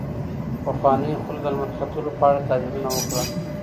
پخوانیو خلګو د لمر ختلو په اړه تعبیرونه وکړل.